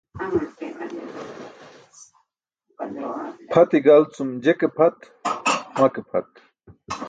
Pʰati gal cum je ke pʰat, ma ke pʰat.